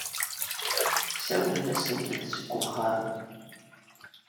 Sawlen-asent-d seg wexxam.